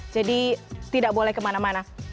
jadi tidak boleh kemana mana